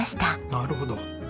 なるほど。